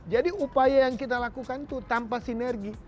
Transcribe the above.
jadi upaya yang kita lakukan itu tanpa sinergi